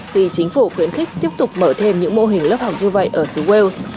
vì chính phủ khuyến khích tiếp tục mở thêm những mô hình lớp học như vậy ở siêu wales